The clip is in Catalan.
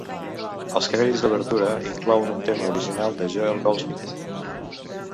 Els crèdits d'obertura inclouen un tema original de Joel Goldsmith.